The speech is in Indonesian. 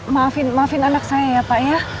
maafin maafin anak saya ya pak ya